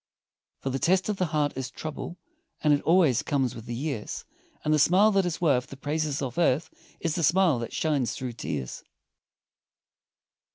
For the test of the heart is trouble, And it always comes with the years, And the smile that is worth the praises of earth, Is the smile that shines through tears.